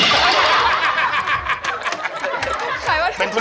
ขายประทู